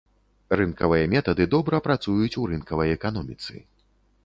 Рынкавыя метады добра працуюць у рынкавай эканоміцы.